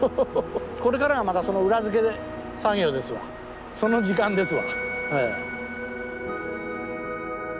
これからはまたその裏付け作業ですわその時間ですわ。